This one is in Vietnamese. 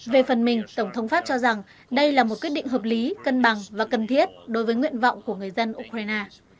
về phần mình tổng thống pháp cho rằng đây là một quyết định hợp lý cân bằng và cần thiết đối với nguyện vọng của người dân ukraine